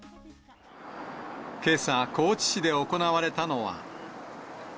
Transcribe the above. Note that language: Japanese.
けさ、高知市で行われたのは。